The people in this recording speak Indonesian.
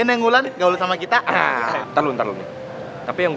jangan gitu dong tadi kan